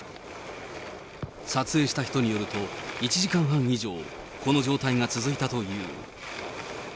撮影した人によると、１時間半以上、この状態が続いたという。